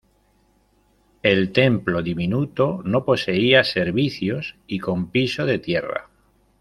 El templo diminuto no poseía servicios y con piso de tierra.